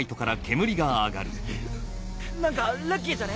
何かラッキーじゃね？